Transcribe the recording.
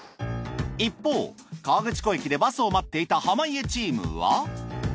一方河口湖駅でバスを待っていた濱家チームは。